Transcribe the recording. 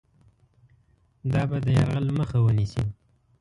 دا به د یرغل مخه ونیسي.